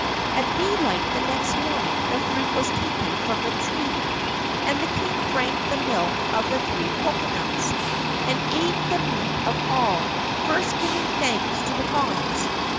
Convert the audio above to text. At daylight the next morning the fruit was taken from the tree, and the king drank the milk of the three cocoanuts, and ate of the meat of all, first giving thanks to the gods.